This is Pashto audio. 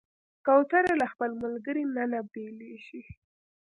کوتره له خپل ملګري نه نه بېلېږي.